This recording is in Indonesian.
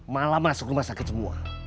malah masuk rumah sakit semua